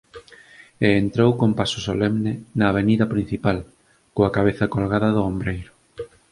E entrou con paso solemne na avenida principal, coa cabeza colgada do ombreiro.